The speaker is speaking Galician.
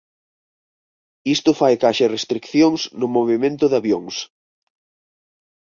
Isto fai que haxa restricións no movemento de avións.